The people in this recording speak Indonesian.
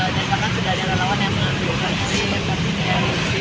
dan karena sudah ada lawan yang mengantukkan kami